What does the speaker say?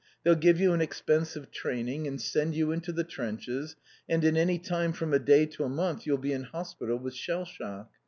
"They'll give you an expensive training, and send you into the trenches, and in any time from a day to a month you'll be in hospital with shell shock.